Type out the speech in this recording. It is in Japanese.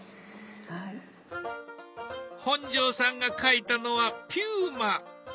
本上さんが描いたのはピューマ。